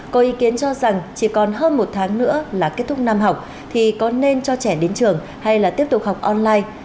có ý kiến cho rằng chỉ còn hơn một tháng nữa là kết thúc năm học thì có nên cho trẻ đến trường hay là tiếp tục học online